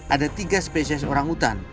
ada tiga spesies orang hutan